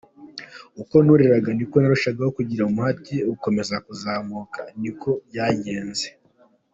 Uko nuriraga ni nako narushagaho kugira umuhate wo gukomeza kuzamuka, ni uko byagenze.